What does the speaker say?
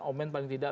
omen paling tidak